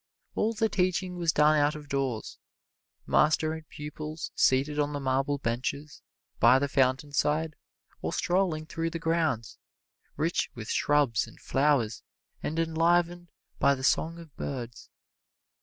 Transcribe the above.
All the teaching was done out of doors, master and pupils seated on the marble benches, by the fountain side, or strolling through the grounds, rich with shrubs and flowers and enlivened by the song of birds.